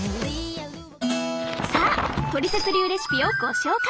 さあトリセツ流レシピをご紹介！